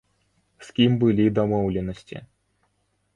З кім былі дамоўленасці?!